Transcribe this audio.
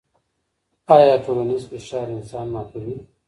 آيا ټولنيز فشار انسان ماتوي؟